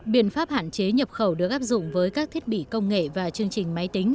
biện pháp hạn chế nhập khẩu được áp dụng với các thiết bị công nghệ và chương trình máy tính